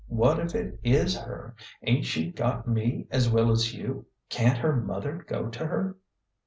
What if it is her? Ain't she got me as well as you ? Can't her mother go to her